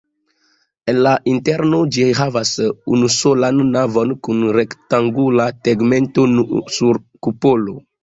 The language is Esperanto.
En la interno ĝi havas unusolan navon kun rektangula tegmento sur kupolo.